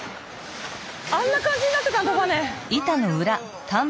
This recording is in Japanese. あんな感じになってたんだバネ。